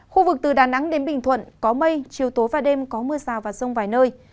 khu vực từ đà nẵng đến bình thuận có mây chiều tối và đêm có mưa rào và rông vài nơi